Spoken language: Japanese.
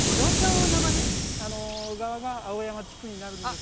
あの側が青山地区になるんです。